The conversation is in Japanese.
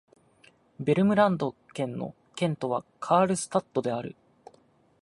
ヴェルムランド県の県都はカールスタッドである